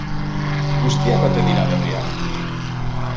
Guztiak ote dira berriak?